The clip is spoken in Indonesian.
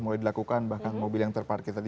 mulai dilakukan bahkan mobil yang terparkir tadi